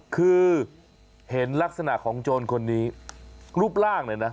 คือเห็นลักษณะของโจรคนนี้รูปร่างเลยนะ